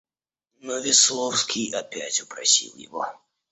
Но Весловский опять упросил его.